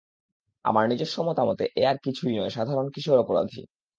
আমার নিজস্ব মতামতে, এ আর কিছুই নয়, সাধারণ কিশোর অপরাধী।